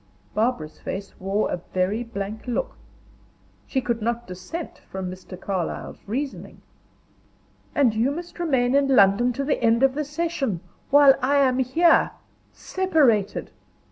Barbara's face wore a very blank look. She could not dissent from Mr. Carlyle's reasoning. "And you must remain in London to the end of the session, while I am here! Separated!